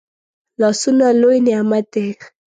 لاسونه لوي نعمت دی